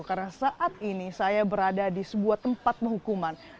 karena saat ini saya berada di sebuah tempat penghukuman